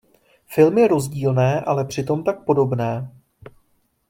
Filmy rozdílné, ale přitom tak podobné...